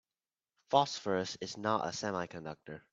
Phosphorus is not a semiconductor.